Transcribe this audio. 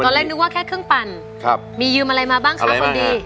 กำลังนึกว่าแค่เครื่องปั่นครับมียืมอะไรมาบ้างค่ะอะไรบ้างค่ะ